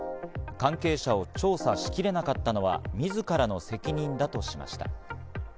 関係者を調査しきれなかったのは自らの責任だとしました。